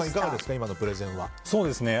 今のプレゼンは。